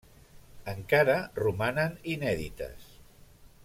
Encara romanen inèdites.